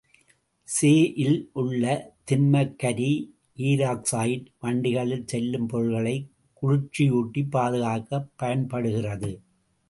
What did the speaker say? செ.இல் உள்ள திண்மக் கரி ஈராக்சைடு, வண்டிகளில் செல்லும் பொருள்களைக் குளிர்ச்சியூட்டிப் பாதுகாக்கப் பயன்படுகிறது.